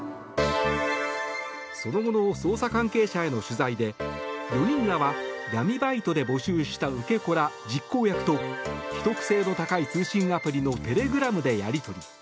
その後の捜査関係者への取材で４人らは闇バイトで募集した受け子ら実行役と秘匿性の高い通信アプリのテレグラムでやり取り。